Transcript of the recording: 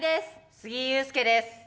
杉井勇介です。